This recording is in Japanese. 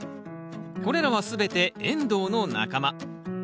これらは全てエンドウの仲間。